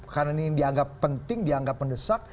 karena ini dianggap penting dianggap mendesak